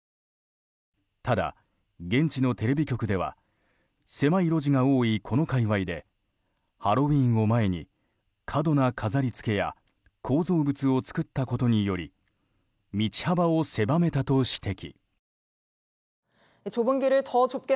ただ、現地のテレビ局では狭い路地が多いこの界隈でハロウィーンを前に過度な飾りつけや構造物を作ったことにより道幅を狭めたと指摘。